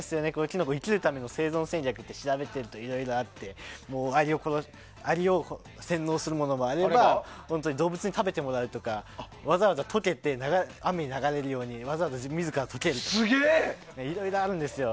キノコは生きるための生存戦略が調べてるといろいろあってアリを洗脳するものもあれば本当に動物に食べてもらうとかわざわざ溶けて雨に流れるように自ら溶けるとかいろいろあるんですよ。